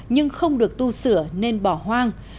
nhưng không được tu sửa nên bỏ hoang